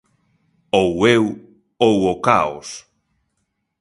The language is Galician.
Ou eu ou o caos.